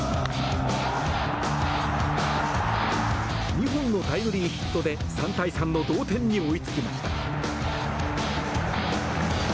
２本のタイムリーヒットで３対３の同点に追いつきました。